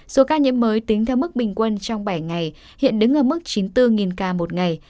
số ca nhiễm mới tính theo mức bình quân trong bảy ngày hiện đứng ở mức chín mươi bốn ca một ngày